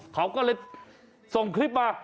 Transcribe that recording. เขาก็เลยส่งคลิปมา